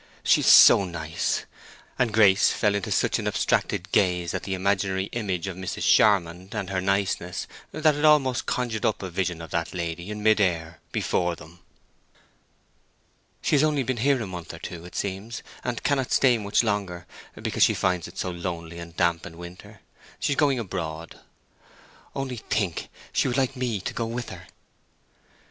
She is SO nice!" And Grace fell into such an abstracted gaze at the imaginary image of Mrs. Charmond and her niceness that it almost conjured up a vision of that lady in mid air before them. "She has only been here a month or two, it seems, and cannot stay much longer, because she finds it so lonely and damp in winter. She is going abroad. Only think, she would like me to go with her."